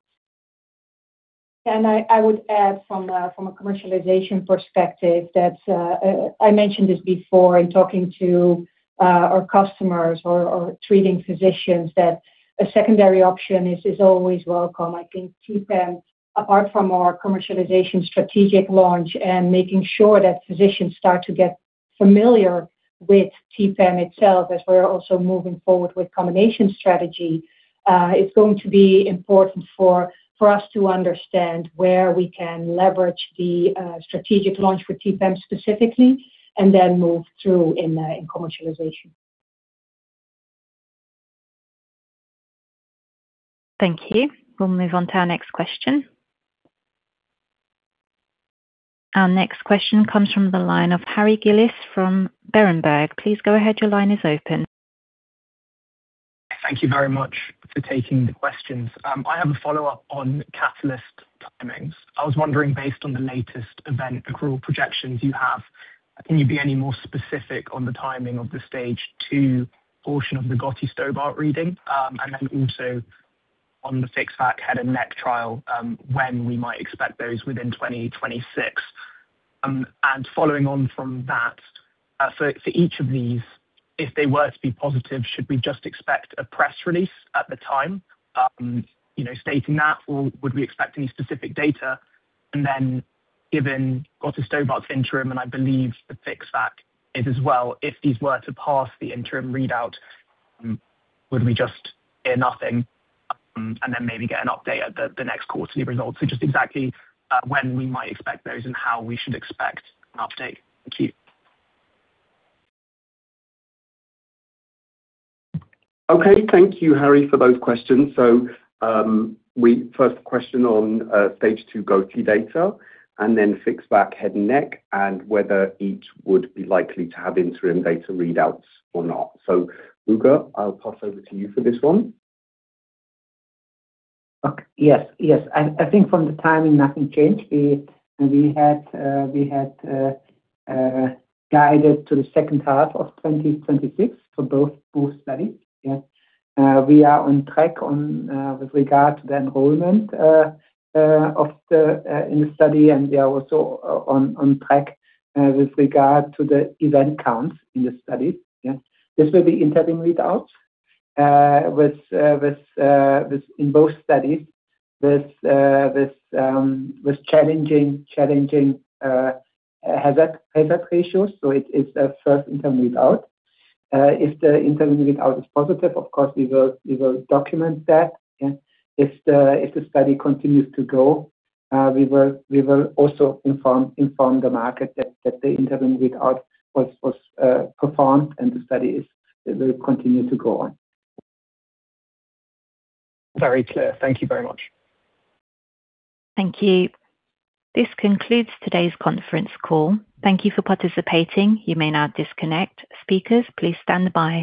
I would add from a commercialization perspective that I mentioned this before in talking to our customers or treating physicians that a secondary option is always welcome. I think T-Pam, apart from our commercialization strategic launch and making sure that physicians start to get familiar with T-Pam itself as we're also moving forward with combination strategy, it's going to be important for us to understand where we can leverage the strategic launch for T-Pam specifically and then move through in commercialization. Thank you. We'll move on to our next question. Our next question comes from the line of Harry Gillis from Berenberg. Please go ahead. Your line is open. Thank you very much for taking the questions. I have a follow-up on catalyst timings. I was wondering, based on the latest event accrual projections you have, can you be any more specific on the timing of the stage II portion of the gotistobart reading? Also on the FixVac head and neck trial, when we might expect those within 2026. Following on from that, for each of these, if they were to be positive, should we just expect a press release at the time, you know, stating that, or would we expect any specific data? Given gotistobart's interim, and I believe the FixVac is as well, if these were to pass the interim readout, would we just hear nothing, and then maybe get an update at the next quarterly results? Just exactly, when we might expect those and how we should expect an update. Thank you. Okay. Thank you, Harry, for those questions. First question on stage II goti data and then FixVac head and neck and whether each would be likely to have interim data readouts or not. Ugur, I'll pass over to you for this one. Okay. Yes. Yes. I think from the timing, nothing changed. We had guided to the second half of 2026 for both studies. Yes. We are on track with regard to the enrollment in the study, and we are also on track with regard to the event count in the study. Yes. This will be interim readout in both studies with challenging hazard ratios. It is a first interim readout. If the interim readout is positive, of course, we will document that. Yes. If the study continues to go, we will also inform the market that the interim readout was performed and the study will continue to go on. Very clear. Thank you very much. Thank you. This concludes today's conference call. Thank you for participating. You may now disconnect. Speakers, please stand by.